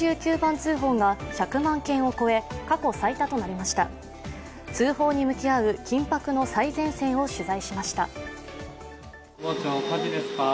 通報に向き合う緊迫の最前線を取材しました。